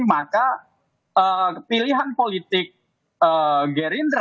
maka pilihan politik gerindra